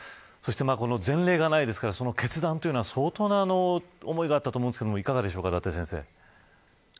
前例がないですから決断というのは相当な思いがあったと思いますがいかがでしょうか、伊達先生。